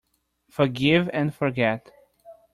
Forgive and forget.